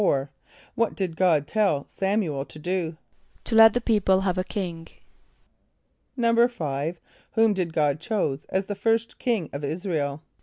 = What did God tell S[)a]m´u el to do? =To let the people have a king.= =5.= Whom did God choose as the first king of [)I][s+]´ra el?